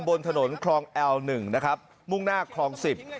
บนถนนคลองแอลหนึ่งนะครับมุ่งหน้าคลองสิบ